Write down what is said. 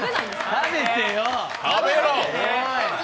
食べろよ。